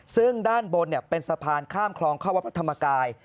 ซึ่งด้านบนเป็นสะพานข้ามคลองเข้าวัดพระธรรมกาย